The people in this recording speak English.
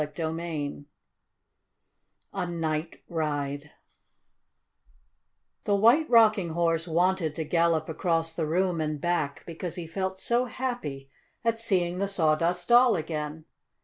CHAPTER V A NIGHT RIDE The White Rocking Horse wanted to gallop across the room and back, because he felt so happy at seeing the Sawdust Doll again.